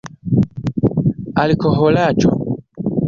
alkoholaĵo